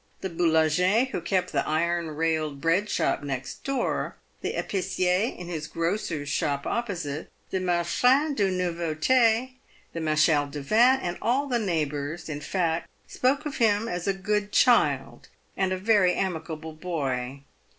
The boulanger, who kept the iron railed bread shop next door, the epicier in his grocer's shop opposite, the marchand de nouveautes, the marchand de vins, all the neighbours, in fact, spoke of him as a " good child" and " a very amiable boy."